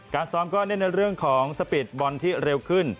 ซ้อมก็เน้นในเรื่องของสปีดบอลที่เร็วขึ้น